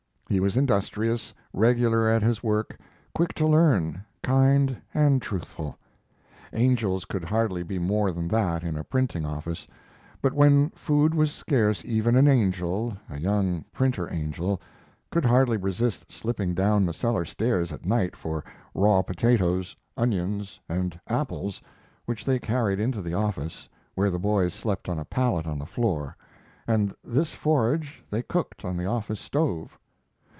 He was industrious, regular at his work, quick to learn, kind, and truthful. Angels could hardly be more than that in a printing office; but when food was scarce even an angel a young printer angel could hardly resist slipping down the cellar stairs at night for raw potatoes, onions, and apples which they carried into the office, where the boys slept on a pallet on the floor, and this forage they cooked on the office stove.